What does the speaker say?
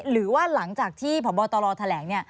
หรือว่าหลังจากที่พบตรแถลง